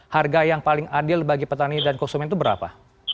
harga yang paling adil bagi petani dan konsumen itu berapa